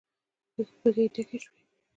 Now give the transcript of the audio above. بګۍ ډکې شوې.